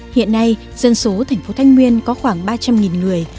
hiện nay dân số thành phố thái nguyên có khoảng ba trăm linh người